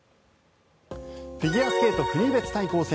フィギュアスケート国別対抗戦。